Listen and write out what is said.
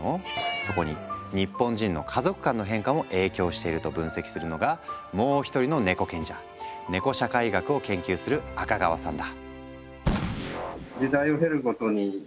そこに日本人の家族観の変化も影響していると分析するのがもう一人のネコ賢者ネコ社会学を研究する赤川さんだ。